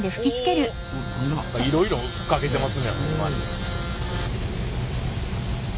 いろいろ吹きかけてますねホンマに。